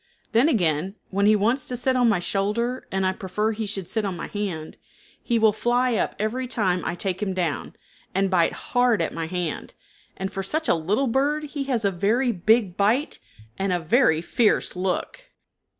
Then again, when he wants to sit on my shoulder and I prefer he should sit on my hand, he will fly up every time I take him down, and bite hard at my hand, and for such a little bird he has a very big bite and a very fierce look.